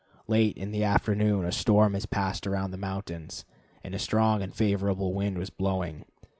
Late in the afternoon a storm had passed around the mountain, and a strong and favorable wind was blowing.